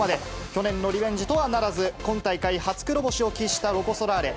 去年のリベンジとはならず、今大会、初黒星を喫したロコ・ソラーレ。